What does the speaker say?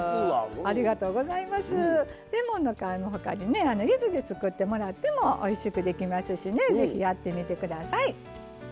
レモンの皮のほかにゆずで作ってもらってもおいしくできますしぜひやってみてください。